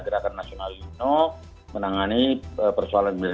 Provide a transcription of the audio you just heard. gerakan nasional el nino menangani persoalan ini